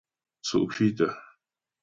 Tsʉ́' kwítə.